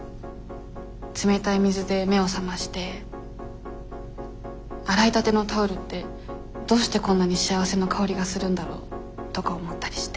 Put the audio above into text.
冷たい水で目を覚まして洗いたてのタオルってどうしてこんなに幸せの香りがするんだろうとか思ったりして。